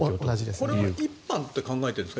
これは１班と考えているんですか？